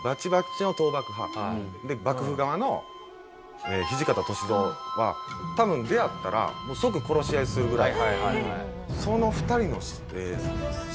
で幕府側の土方歳三は多分出会ったら即殺し合いするぐらい。